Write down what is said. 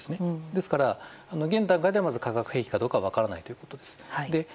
ですから、現段階では化学兵器かどうかは分からないということです。